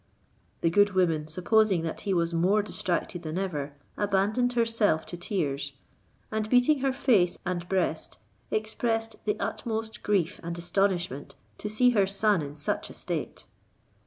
The good woman supposing that he was more distracted than ever, abandoned herself to tears, and beating her face and breast, expressed the utmost grief and astonishment to see her son in such a state.